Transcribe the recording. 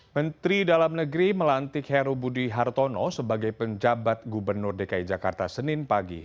menteri dalam negeri melantik heru budi hartono sebagai penjabat gubernur dki jakarta senin pagi